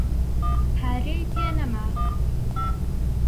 پارەی پێ نەما.